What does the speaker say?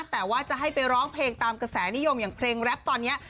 แต่ว่าจะให้ไปร้องเพลงตามกระแสนิยมอย่างเพลงแรปตอนนี้